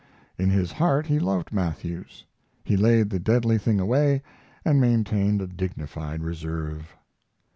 In his heart he loved Matthews. He laid the deadly thing away and maintained a dignified reserve.